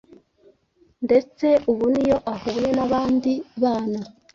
ndetse ubu niyo ahuye n’abandi bana